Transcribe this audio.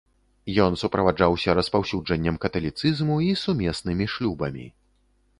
Ён суправаджаўся распаўсюджаннем каталіцызму і сумеснымі шлюбамі.